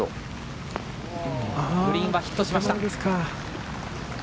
グリーンはヒットしました。